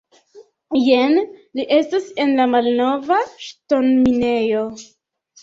Jen li estas, en la malnova, ŝtonminejo.